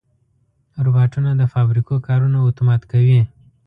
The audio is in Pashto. روبوټونه د فابریکو کارونه اتومات کوي.